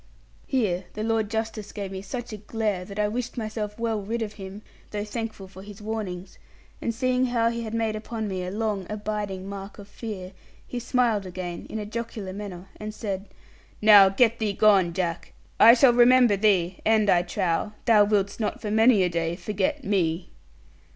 Here the Lord Justice gave me such a glare that I wished myself well rid of him, though thankful for his warnings; and seeing how he had made upon me a long abiding mark of fear, he smiled again in a jocular manner, and said, 'Now, get thee gone, Jack. I shall remember thee; and I trow, thou wilt'st not for many a day forget me.'